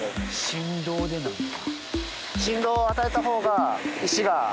振動でなんだ。